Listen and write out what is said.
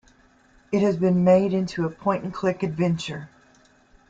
It has been made into a point-and-click adventure.